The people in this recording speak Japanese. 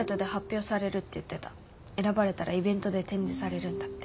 選ばれたらイベントで展示されるんだって。